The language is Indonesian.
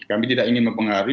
kami tidak ingin mempengaruhi